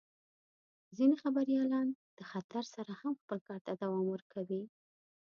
ځینې خبریالان د خطر سره هم خپل کار ته دوام ورکوي.